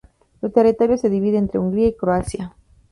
Su territorio se divide entre Hungría y Croacia.